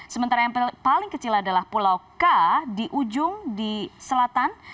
sementara yang paling kecil adalah pulau k di ujung di selatan